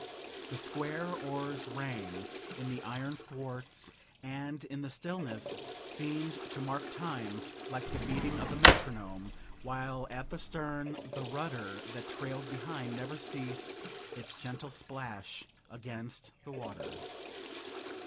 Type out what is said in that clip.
The square oars rang in the iron thwarts, and, in the stillness, seemed to mark time, like the beating of a metronome, while at the stern the rudder that trailed behind never ceased its gentle splash against the water.